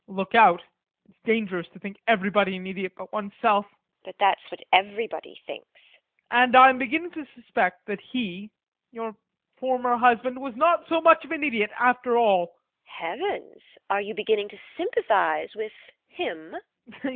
ADOLPH. Look out: it's dangerous to think everybody an idiot but oneself! TEKLA. But that's what everybody thinks. ADOLPH. And I am beginning to suspect that he your former husband was not so much of an idiot after all. TEKLA. Heavens! Are you beginning to sympathise with him?